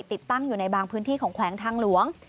ติดตั้งอยู่ในบางพื้นที่ของแขวงทางหลวง